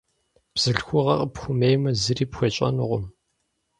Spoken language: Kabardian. Бзылъхугъэр къыпхуэмеймэ, зыри пхуещӏэнукъым.